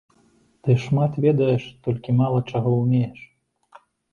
Ты шмат ведаеш, толькі мала чаго ўмееш.